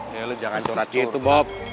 ya lu jangan curhat gitu bob